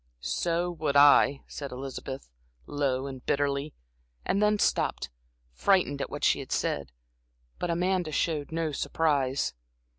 "So would I," said Elizabeth, low and bitterly, and then stopped, frightened at what she had said. But Amanda showed no surprise.